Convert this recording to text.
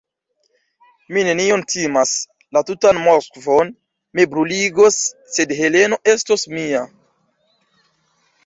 Mi nenion timas, la tutan Moskvon mi bruligos, sed Heleno estos mia!